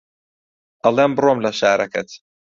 ئەڵێم بڕۆم لە شارەکەت